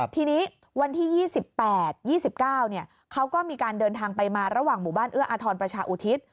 ทีนี้วันที่๒๘๒๙เขาก็มีการเดินทางไปมาระหว่างหมู่บ้านเอื้ออาทรประชาอุทิศ